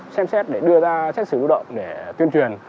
xem xét để đưa ra xét xử lưu động để tuyên truyền